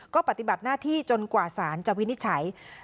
ก็ปฏิบัติหน้าที่จนกว่าสารจะวินิจฉัย